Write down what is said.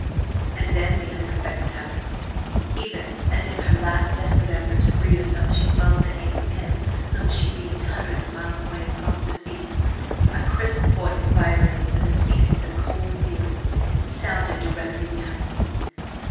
And then the unexpected happened. Even as in her last desperate effort to free herself she moaned the name of him whom she deemed hundreds of miles away across the sea, a crisp voice, vibrating with a species of cold fury, sounded directly behind them.